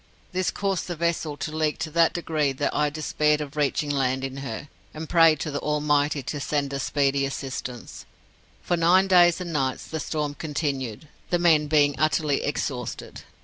This caused the vessel to leak to that degree that I despaired of reaching land in her, and prayed to the Almighty to send us speedy assistance. For nine days and nights the storm continued, the men being utterly exhausted.